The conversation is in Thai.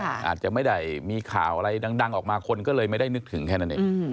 อาจจะไม่ได้มีข่าวอะไรดังออกมาคนก็เลยไม่ได้นึกถึงแค่นั้นเอง